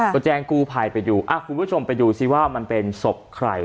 ก็แจ้งกู้ภัยไปดูคุณผู้ชมไปดูซิว่ามันเป็นศพใคร